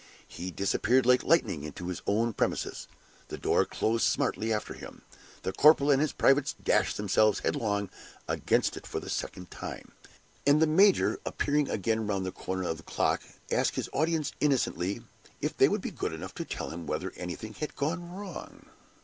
He disappeared like lightning into his own premises, the door closed smartly after him, the corporal and his privates dashed themselves headlong against it for the second time, and the major, appearing again round the corner of the clock, asked his audience innocently "if they would be good enough to tell him whether anything had gone wrong?"